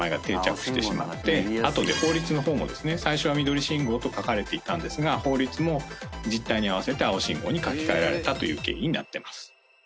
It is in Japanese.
後で法律の方もですね最初は緑信号と書かれていたんですが法律も実態に合わせて青信号に書き換えられたという経緯になってます。